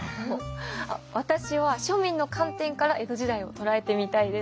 私は庶民の観点から江戸時代を捉えてみたいです。